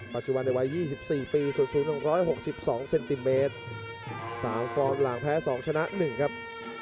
ปัจจุบันในวัย๒๔ปีสูง๑๖๒เซนติเมตร๓ฟอร์มหลังแพ้๒ชนะ๑ครับ